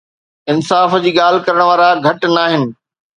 انصاف جي ڳالهه ڪرڻ وارا گهٽ ناهن.